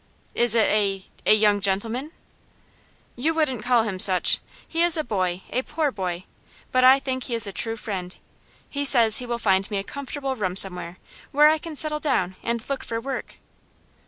"It is a a young gentleman?" "You wouldn't call him such. He is a boy, a poor boy; but I think he is a true friend. He says he will find me a comfortable room somewhere, where I can settle down and look for work."